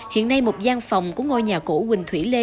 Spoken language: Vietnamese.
hiện nay một giang phòng của ngôi nhà cổ quỳnh thủy lê